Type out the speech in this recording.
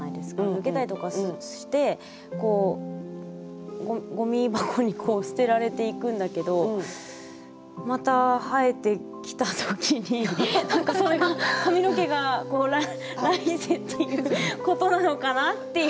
抜けたりとかしてこうごみ箱に捨てられていくんだけどまた生えてきた時に何かそれが髪の毛が来世っていうことなのかな？っていう。